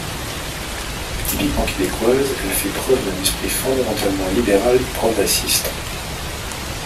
Typiquement québécoise, elle fait preuve d’un esprit fondamentalement libéral et progressiste.